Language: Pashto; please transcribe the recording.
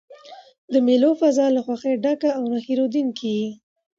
د مېلو فضا له خوښۍ ډکه او نه هېردونکې يي.